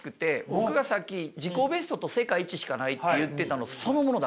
僕がさっき自己ベストと世界一しかないって言ってたのそのものだから。